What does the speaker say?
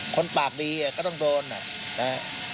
คนปากดีก็ต้องโดนนะฮะ